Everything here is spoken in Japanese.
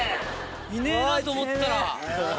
いねえなと思ったら。